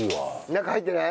中入ってない？